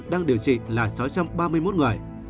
đang điều trị là sáu trăm ba mươi một người